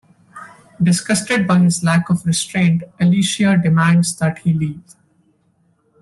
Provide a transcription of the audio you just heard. Disgusted by his lack of restraint, Alicia demands that he leave.